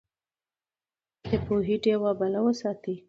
د پوهې ډيوه بله وساتئ.